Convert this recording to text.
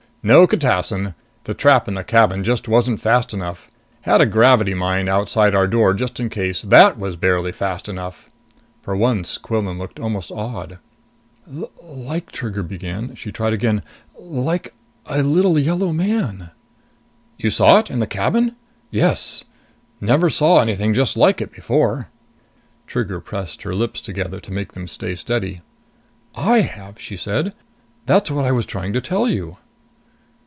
"No catassin! The trap in the cabin just wasn't fast enough. Had a gravity mine outside our door, just in case. That was barely fast enough!" For once, Quillan looked almost awed. "L l l like " Trigger began. She tried again. "Like a little yellow man " "You saw it? In the cabin? Yes. Never saw anything just like it before!" Trigger pressed her lips together to make them stay steady. "I have," she said. "That's what I was trying to tell you."